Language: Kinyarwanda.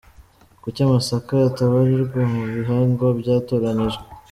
Kuki amasaka atabarirwa mu bihingwa byatoranyijwe?.